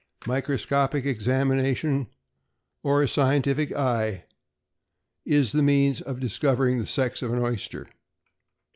Microscopic examination, or a scientific eye, is the means of discovering the sex of an oyster.